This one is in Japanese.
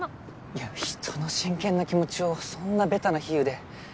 いや人の真剣な気持ちをそんなベタな比喩で。